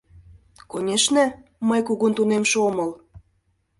— Конешне, мый кугун тунемше омыл...